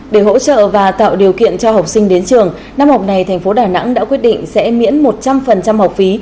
để hỗ trợ và tạo điều kiện cho học sinh đến trường năm học này thành phố đà nẵng đã quyết định sẽ miễn một trăm linh học phí